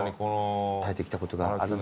耐えてきたことがあるんですね。